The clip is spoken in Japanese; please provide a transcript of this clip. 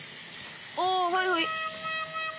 ああはいはい。